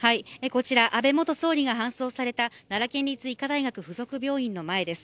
こちら安倍元総理が搬送された奈良県立医科大学付属病院の前です。